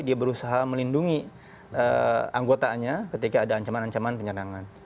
dia berusaha melindungi anggotanya ketika ada ancaman ancaman penyerangan